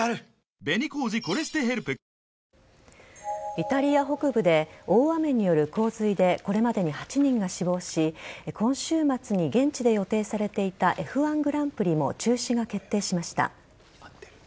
イタリア北部で大雨による洪水でこれまでに８人が死亡し今週末に現地で予定されていたＦ１グランプリも中止が決定しました。